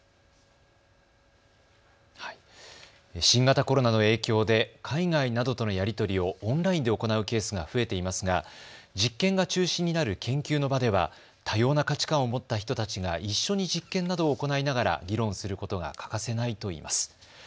新型コロナの影響で海外などとのやり取りをオンラインで行うケースが増えていますが実験が中心になる研究の場では多様な価値観を持った人たちが一緒に実験などを行いながら議論することが欠かせないといいます。